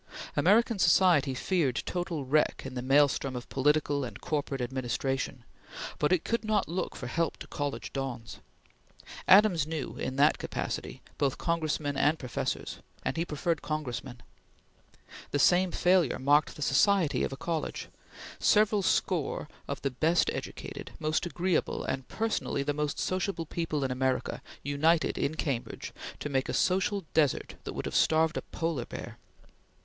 American society feared total wreck in the maelstrom of political and corporate administration, but it could not look for help to college dons. Adams knew, in that capacity, both Congressmen and professors, and he preferred Congressmen. The same failure marked the society of a college. Several score of the best educated, most agreeable, and personally the most sociable people in America united in Cambridge to make a social desert that would have starved a polar bear.